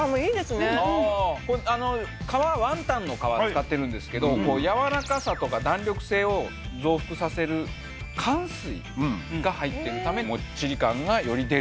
皮はワンタンの皮使ってるんですけどやわらかさとか弾力性を増幅させるかん水が入っているためもっちり感がより出ると。